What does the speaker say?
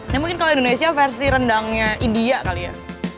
ini mungkin kalau indonesia versi rendangnya india kali ya